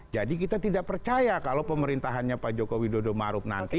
jadi kita tidak percaya kalau pemerintahannya pak joko widodo maruk nanti